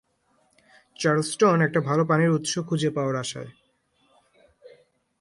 Charleston একটা ভালো পানির উৎস খুঁজে পাওয়ার আশায়।